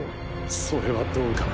それはどうかな？